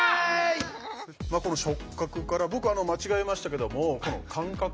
この「触覚」から僕間違えましたけどもこの「感覚」